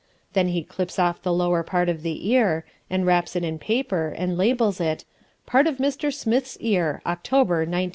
Then he clips off the lower part of the ear, and wraps it in paper, and labels it, "Part of Mr. Smith's Ear, October, 1910."